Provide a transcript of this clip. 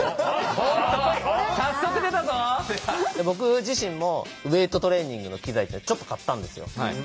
僕自身もウエイトトレーニングの機材ってちょっと買ったんですよ。